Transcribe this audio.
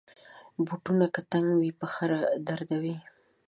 بوټونه که تنګ وي، پښه دردوي.